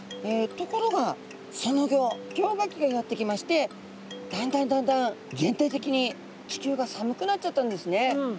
ところがそのギョ氷河期がやってきましてだんだんだんだん全体的に地球が寒くなっちゃったんですね。